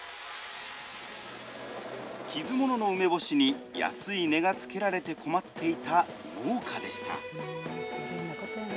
傷ものの梅干しに安い値がつけられて困っていた農家でした。